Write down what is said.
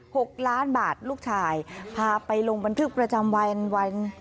หกล้านบาทลูกชายพาไปลงบันทึกประจำวันวัน